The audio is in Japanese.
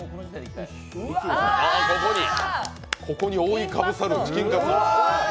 ああ、ここに覆いかぶさるチキンカツ。